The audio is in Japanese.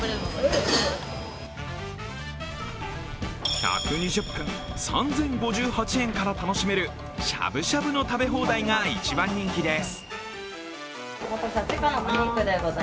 １２０分、３０５８円から楽しめるしゃぶしゃぶの食べ放題が一番人気です。